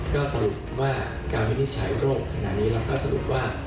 ก็สรุปว่าการวินิจฉัยโรคขณะนี้เราก็สรุปว่า